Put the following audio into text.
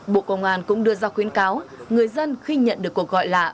bộ công an cũng đưa ra khuyến cáo người dân khi nhận được cuộc gọi lạ